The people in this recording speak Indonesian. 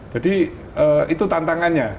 jadi itu tantangannya